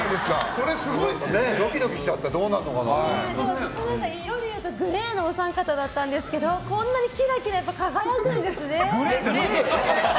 ドキドキしちゃったずっと色でいうとグレーのお三方だったんですけどこんなにキラキラと輝くんですね。